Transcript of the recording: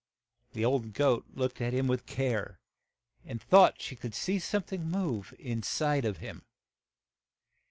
The old goat looked at him with care, and thought she could see some thing move in side of him.